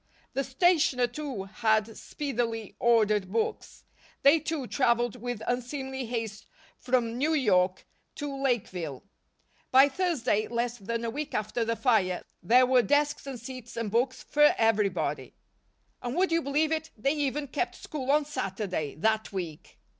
The Stationer, too, had speedily ordered books. They, too, traveled with unseemly haste from New York to Lakeville. By Thursday, less than a week after the fire, there were desks and seats and books for everybody; and would you believe it, they even kept school on Saturday, that week!